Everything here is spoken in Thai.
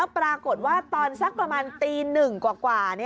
ปรากฏว่าตอนสักประมาณตี๑กว่า